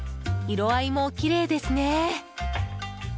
色合いもきれいですね。